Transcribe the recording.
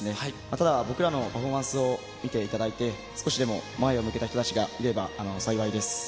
ただ、僕らのパフォーマンスを見ていただいて、少しでも前を向けた人たちがいれば、幸いです。